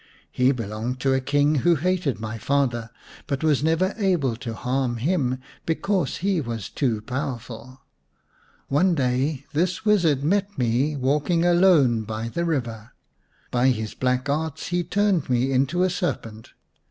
He belonged to a king who hated my father, but was never able to harm him because he was too powerful. One day this wizard met me walking alone by this river. By his black arts he turned me into a serpent.